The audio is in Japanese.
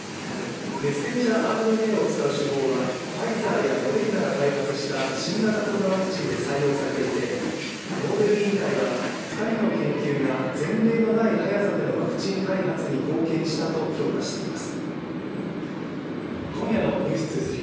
メッセンジャーＲＮＡを使う手法はファイザーやモデルナが開発した新型コロナワクチンで採用されていてノーベル委員会は、２人の研究が前例のない早さでのワクチン開発に貢献したと評価しています。